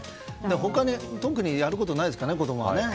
他に特にやることがないですから子供が。